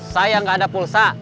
saya gak ada pulsa